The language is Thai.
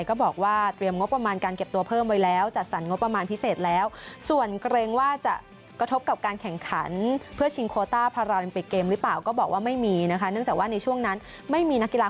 ก็บอกว่าอาจจะมีการหาเจ้าภาพสำรองแทงฟิลิปปินส์